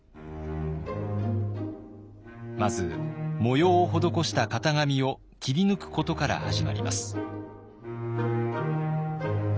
まず模様を施した型紙を切り抜くことから始まります。